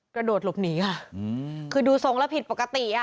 กระโดดหลบหนีค่ะคือดูทรงแล้วผิดปกติอ่ะ